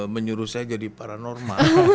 menyuruh saya jadi paranormal